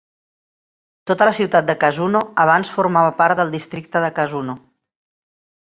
Tota la ciutat de Kazuno abans formava part del districte de Kazuno.